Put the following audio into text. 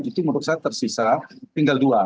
itu menurut saya tersisa tinggal dua